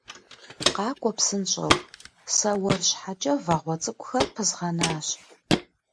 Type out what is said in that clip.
Къакӏуэ псынщӏэу, сэ уэр щхьэкӏэ вагъуэ цӏыкӏухэр пызгъэнащ.